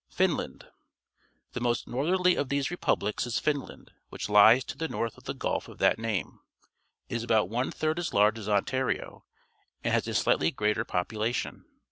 Finland. — The most northerly of these repubUcs is Finland, which hes to the north of the gulf of that name. It is about one third as large as Ontario and has a slightly greater population.